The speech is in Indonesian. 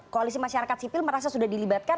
koalisi masyarakat sipil merasa sudah dilibatkan